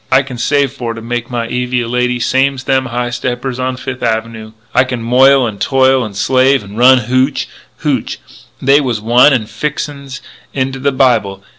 I can save for to make my Evie a lady same's them high steppers on Fifth Avenoo. I can moil and toil and slave an' run hootch hootch They wuz wine 'n' fixin's into the Bible.